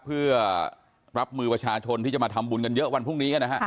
เพื่อรับมือประชาชนที่จะมาทำบุญกันเยอะวันพรุ่งนี้นะฮะ